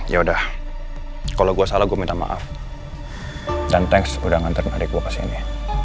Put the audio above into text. ya udah kalau gua salah gua minta maaf dan thanks udah nganterin adik gua kesini